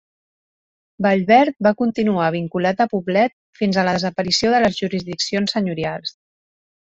Vallverd va continuar vinculat a Poblet fins a la desaparició de les jurisdiccions senyorials.